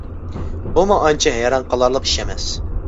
بۇمۇ ئانچە ھەيران قالارلىق ئىش ئەمەس.